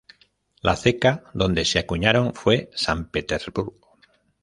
La ceca donde se acuñaron fue San Petersburgo.